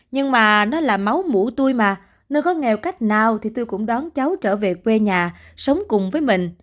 nhưng mà nó là máu mũ tôi mà nơi có nghèo cách nào thì tôi cũng đón cháu trở về quê nhà sống cùng với mình